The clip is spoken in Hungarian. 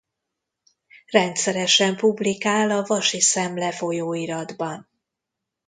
Rendszeresen publikál a Vasi Szemle folyóiratban.